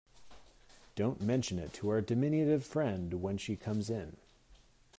Don't mention it to our diminutive friend when she comes in.